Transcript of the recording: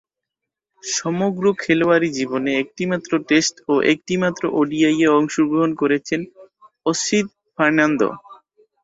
সমগ্র খেলোয়াড়ী জীবনে একটিমাত্র টেস্ট ও একটিমাত্র ওডিআইয়ে অংশগ্রহণ করেছেন অসিত ফার্নান্দো।